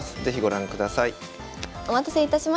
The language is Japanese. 是非ご覧ください。